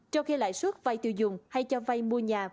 trong khi lãi suất vai tiêu dùng hay cho vay mua nhà